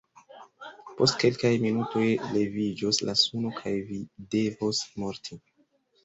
Post kelkaj minutoj leviĝos la suno kaj vi devos morti!